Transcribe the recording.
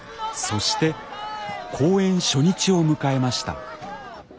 そして公演初日を迎えました。